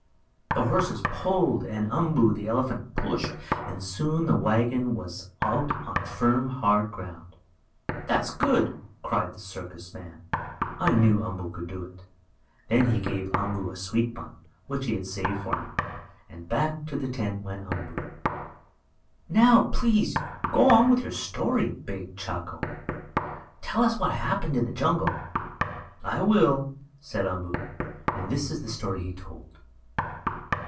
The horses pulled and Umboo, the elephant, pushed, and soon the wagon was out on firm, hard ground. "That's good!" cried the circus man. "I knew Umboo could do it!" Then he gave the elephant a sweet bun, which he had saved for him, and back to the tent went Umboo. "Now, please go on with your story!" begged Chako. "Tell us what happened in the jungle." "I will," said Umboo, and this is the story he told.